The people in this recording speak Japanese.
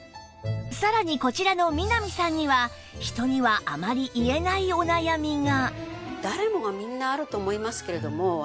さらにこちらの南さんには人にはあまり言えないお悩みが